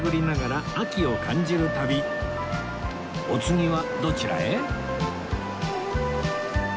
お次はどちらへ？